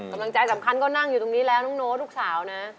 กำลังใจสำคัญก็นั่งอยู่ตรงนี้แล้วน้องโน้ตลูกสาวนะ